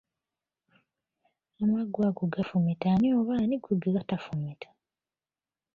Amaggwa ago gafumita ani oba ani gwe gatafumita?